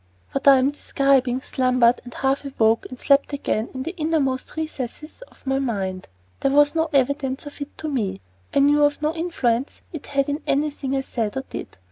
What I am describing slumbered and half awoke and slept again in the innermost recesses of my mind. There was no evidence of it to me; I knew of no influence it had in anything I said or did.